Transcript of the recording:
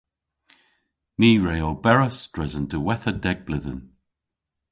Ni re oberas dres an diwettha deg bledhen.